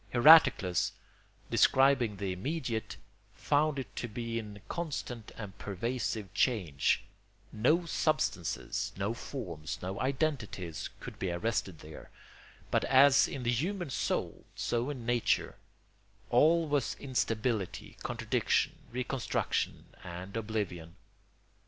Heraclitus, describing the immediate, found it to be in constant and pervasive change: no substances, no forms, no identities could be arrested there, but as in the human soul, so in nature, all was instability, contradiction, reconstruction, and oblivion.